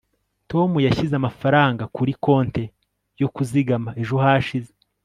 tom yashyize amafaranga kuri konte yo kuzigama ejo hashize